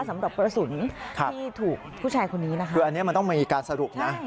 สำหรับกระสุนที่ถูกผู้ชายคนนี้นะคะคืออันนี้มันต้องมีการสรุปนะ